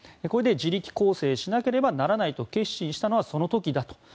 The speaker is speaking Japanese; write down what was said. これで自力更生しなければならないと決心したのはその時だと。